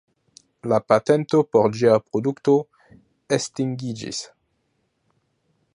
La patento por ĝia produkto estingiĝis.